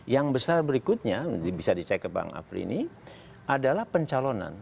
yang besar berikutnya bisa dicek ke bang afri ini adalah pencalonan